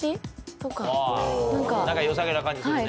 何かよさげな感じするね。